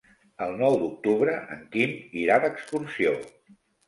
El nou d'octubre en Quim irà d'excursió.